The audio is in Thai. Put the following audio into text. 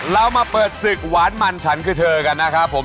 เรามาเปิดศึกหวานมันฉันคือเธอกันนะครับผม